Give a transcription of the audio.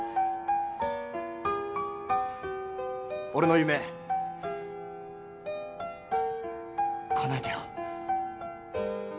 俺の夢かなえてよ。